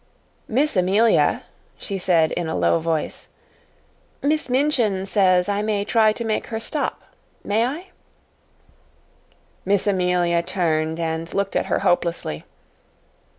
"Miss Amelia," she said in a low voice, "Miss Minchin says I may try to make her stop may I?" Miss Amelia turned and looked at her hopelessly.